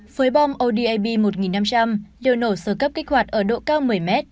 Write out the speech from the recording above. với bom odap một nghìn năm trăm linh liều nổ sơ cấp kích hoạt ở độ cao một mươi mét